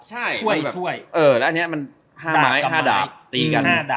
ใช่มันก็มีแบบ๕ดาป๕ดาปตีกัน